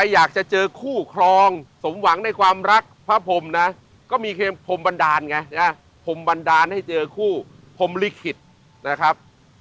ให้เจอคู่พรหมลิขิตนะครับ